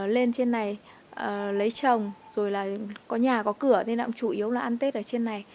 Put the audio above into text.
lên trên này lấy chồng rồi là có nhà có cửa nên chủ yếu là ăn tết ở trên này